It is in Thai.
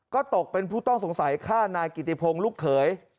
ก็ตกเป็นผู้ต้องสงสัยฆ่านายกิติพงศ์ลูกเขย